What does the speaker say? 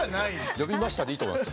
呼びましたでいいと思います。